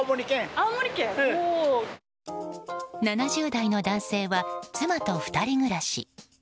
７０代の男性は妻と２人暮らし。